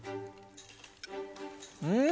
うん！